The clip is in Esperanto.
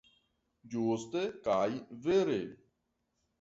Ĝuste kaj vere.